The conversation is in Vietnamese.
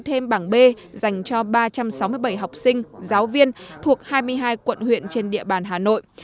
thêm bảng b dành cho ba trăm sáu mươi bảy học sinh giáo viên thuộc hai mươi hai quận huyện trên địa bàn hà nội